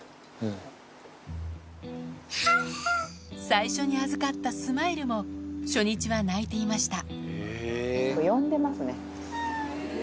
最初に預かったスマイルも初日は鳴いていました